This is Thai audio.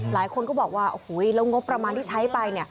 หลายคนก็บอกว่าโอ้โหแล้วงบประมาณที่ใช้ไป